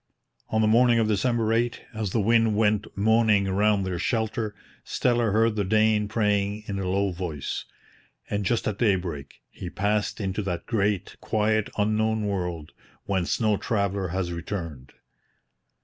On the morning of December 8, as the wind went moaning round their shelter, Steller heard the Dane praying in a low voice. And just at daybreak he passed into that great, quiet Unknown World whence no traveller has returned.